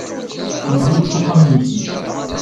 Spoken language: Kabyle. yewwi-t s axxam-nsen.